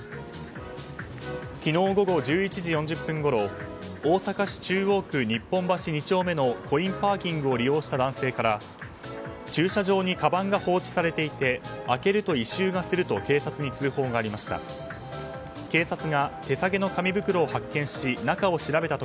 昨日午後１時４０分ごろ大阪市中央区日本橋２丁目のコインパーキングを利用した男性から駐車場にかばんが放置されていて開けると異臭がすると警察に通報がありました。